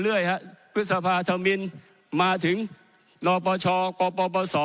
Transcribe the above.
เรื่อยฮะพฤษภาธมินมาถึงนปชกปปศ